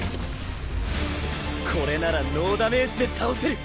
これならノーダメージで倒せる。